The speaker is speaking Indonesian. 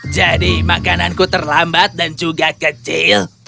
jadi makananku terlambat dan juga kecil